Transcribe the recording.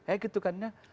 ya gitu kan